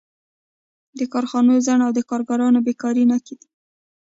د کارخانو ځنډ او د کارګرانو بېکاري نښې دي